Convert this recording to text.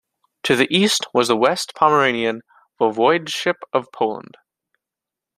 To the east was the West Pomeranian Voivodship of Poland.